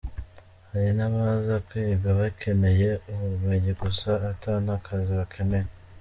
Hari n'abaza kwiga bakeneye ubumenyi gusa ata n'akazi bakeneye.